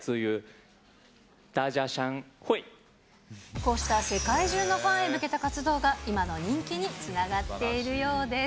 こうした世界中のファンへ向けた活動が、今の人気につながっているようです。